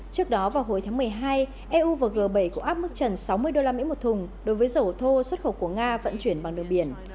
trước đó vào hồi tháng một mươi hai eu và g bảy cũng áp mức trần sáu mươi usd một thùng đối với dầu thô xuất khẩu của nga vận chuyển bằng đường biển